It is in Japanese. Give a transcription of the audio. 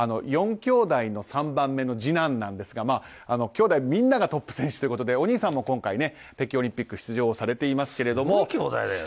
４きょうだいの３番目の次男なんですがきょうだいみんながトップ選手ということでお兄さんも今回北京オリンピック出場されてますが。